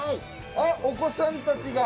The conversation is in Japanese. お子さんたちが。